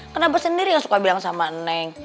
kenapa sendiri yang suka bilang sama neng